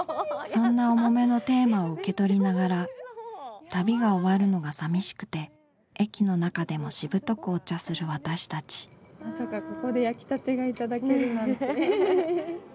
そんな重めのテーマを受け取りながら旅が終わるのが寂しくて駅の中でもしぶとくお茶する私たちまさかここで焼きたてが頂けるなんて。ね。